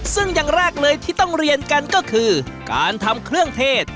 ซึ่งอย่างแรกเลยที่ต้องเรียนกันก็คือการทำเครื่องเทศ